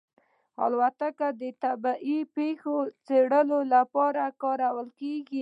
الوتکه د طبیعي پېښو څېړلو لپاره کارېږي.